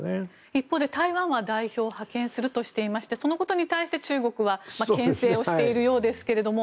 一方で台湾は代表を派遣するとしていましてそのことに対して中国は牽制しているようですけども。